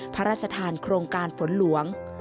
พระราชทานโครงการฝนหลวง